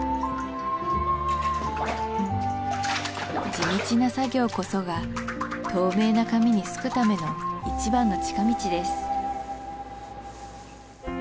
地道な作業こそが透明な紙にすくための一番の近道です